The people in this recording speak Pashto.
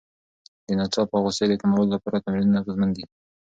د ناڅاپه غوسې د کمولو لپاره تمرینونه اغېزمن دي.